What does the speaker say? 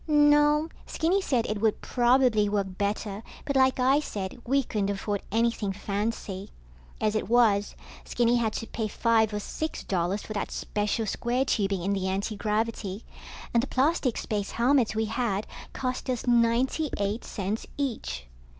No, Skinny said it would probably work better, but like I said, we couldn't afford anything fancy. As it was, Skinny had to pay five or six dollars for that special square tubing in the antigravity, and the plastic space helmets we had cost us ninety eight cents each.